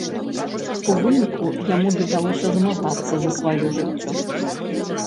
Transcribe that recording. У выніку, яму давялося змагацца за сваё жыццё.